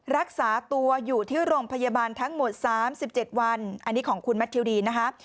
รักษาตัวอยู่ที่โรงพยาบาลทั้งหมด๓๗วันอันนี้ของคุณแมททิวดีนนะคะ